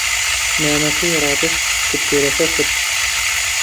نامەکەی ڕادەستی سکرتێرەکە کرد.